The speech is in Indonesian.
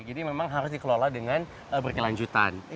jadi memang harus dikelola dengan berkelanjutan